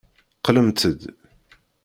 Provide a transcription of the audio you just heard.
Qqlemt-d.